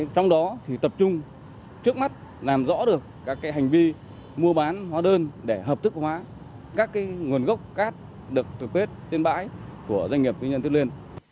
trong đó thì tập trung trước mắt làm rõ được các hành vi mua bán hóa đơn để hợp thức hóa các nguồn gốc cát được tập kết trên bãi của doanh nghiệp tuyên nhân tuyên liên